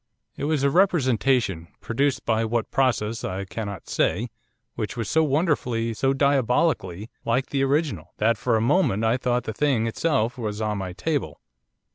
'It was a representation, produced by what process I cannot say, which was so wonderfully, so diabolically, like the original, that for a moment I thought the thing itself was on my table.